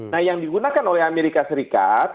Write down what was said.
nah yang digunakan oleh amerika serikat